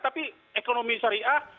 tapi ekonomi syariah